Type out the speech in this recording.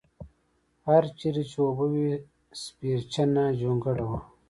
هر چېرې چې اوبه وې سپېرچنه جونګړه وه.